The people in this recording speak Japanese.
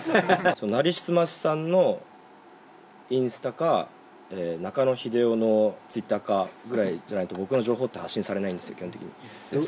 成り済ましさんのインスタか、中野英雄のツイッターかぐらいじゃないと、僕の情報って発信されないんですよ、基本的に。